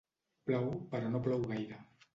Plou, però no plou gaire.